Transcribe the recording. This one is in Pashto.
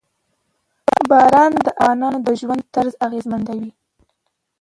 باران د افغانانو د ژوند طرز اغېزمنوي.